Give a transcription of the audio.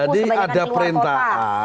jadi ada perintah